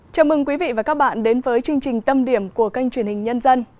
chào mừng quý vị và các bạn đến với chương trình tâm điểm của kênh truyền hình nhân dân